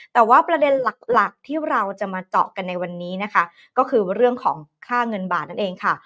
แต่ว่าประเด็นหลักหลักที่เราจะมาเจาะกันในวันนี้นะคะก็คือเรื่องของค่าเงินบาทนั่นเองค่ะ